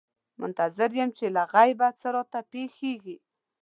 منتظر یم چې له غیبه څه راته پېښېږي.